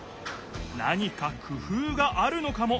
何かくふうがあるのかも！